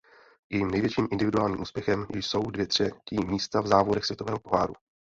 Jejím největším individuálním úspěchem jsou dvě třetí místa v závodech světového poháru.